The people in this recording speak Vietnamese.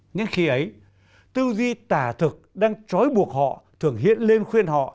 nhưng khi ấy tư duy tả thực đang trói buộc họ thường hiện lên khuyên họ